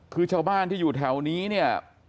คือชาวบ้านที่อยู่แถวนี้